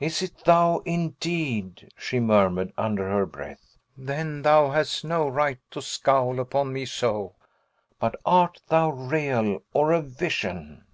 "Is it thou, indeed?" she murmured, under her breath. "Then thou hast no right to scowl upon me so! But art thou real, or a vision?"